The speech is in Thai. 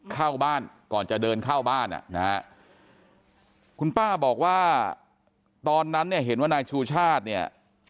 เข้าบ้านก่อนจะเดินเข้าบ้านอ่ะนะฮะคุณป้าบอกว่าตอนนั้นเนี่ยเห็นว่านายชูชาติเนี่ย